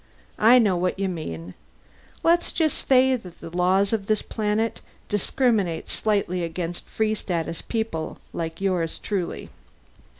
"I know what you mean. Let's just say that the laws of this planet discriminate slightly against Free Status people like yours truly.